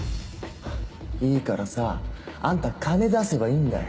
いいからさあんた金出せばいいんだよ。